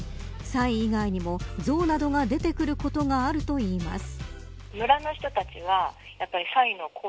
サイ以外にもゾウなどが出てくることがあるといいます。